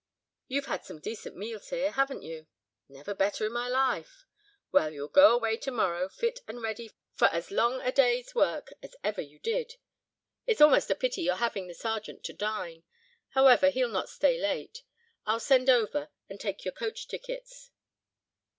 You've had some decent meals here, haven't you?" "Never better in my life." "Well, you'll go away to morrow, fit and ready for as long a day's work as ever you did. It's almost a pity you're having the Sergeant to dine. However, he'll not stay late. I'll send over and take your coach tickets.